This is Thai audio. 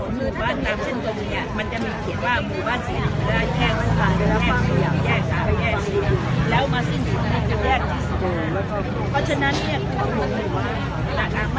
มันนี่คนมีใช้คณะนี้มันมีแบตภาพปากคล้างอีกว่าสีนักพยุค๕๕